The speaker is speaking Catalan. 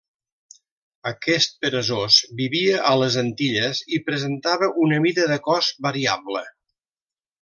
Aquest peresós vivia a les Antilles i presentava una mida de cos variable.